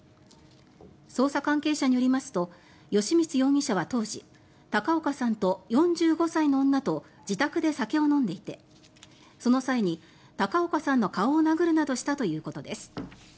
捜査関係者によりますと吉満容疑者は当時高岡さんと４５歳の女と自宅で酒を飲んでいてその際に高岡さんの顔を殴るなどしたということです。